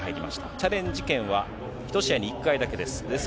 チャレンジ権は１試合に１回だけです。